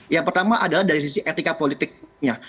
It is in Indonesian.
yang pertama adalah dari sisi etika politiknya